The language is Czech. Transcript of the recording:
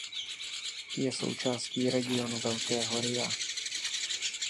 Je součástí regionu Velkého Ria.